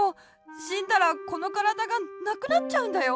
しんだらこのからだがなくなっちゃうんだよ。